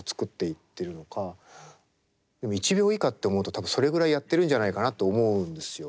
１秒以下って思うと多分それぐらいやってるんじゃないかなと思うんですよ。